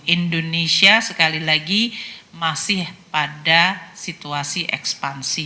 indonesia sekali lagi masih pada situasi ekspansi